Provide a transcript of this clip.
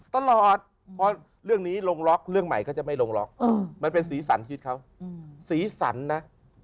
ตลอดเพราะเรื่องนี้ลงล็อคเรื่องใหม่ก็จะไม่ลงล็อคมันเป็นศรีสรรค์ชีวิตเขาศรีสรรค์นะ